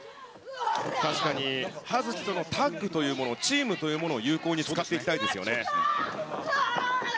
確かに葉月とのタッグというもの、チームというものを有効に使っていきたいですよね。